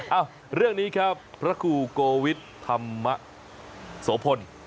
เอ้าเรื่องนี้ครับพระครูโกวิทธรรมโสพล